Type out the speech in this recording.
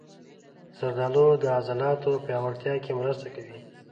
زردالو د عضلاتو پیاوړتیا کې مرسته کوي.